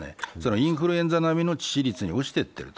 インフルエンザ並みの致死率に落ちていってると。